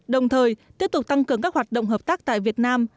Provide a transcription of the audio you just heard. đồng thời tiếp tục tăng cường các hoạt động hợp tác tại việt nam